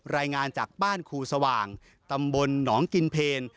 รายงานจากบ้านครูสว่างตำบลหนองกินเพล